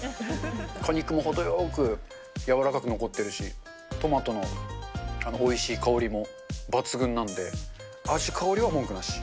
果肉も程よく柔らかく残ってるし、トマトのおいしい香りも抜群なんで、味、香りは文句なし。